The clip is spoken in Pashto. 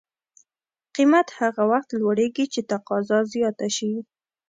قیمت هغه وخت لوړېږي چې تقاضا زیاته شي.